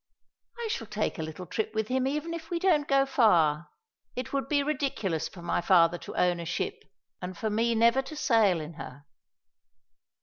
"I shall take a little trip with him even if we don't go far; it would be ridiculous for my father to own a ship, and for me never to sail in her."